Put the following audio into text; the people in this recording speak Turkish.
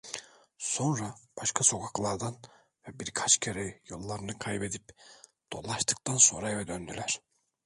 Sonra başka sokaklardan ve birkaç kere yollarını kaybedip dolaştıktan sonra eve döndüler.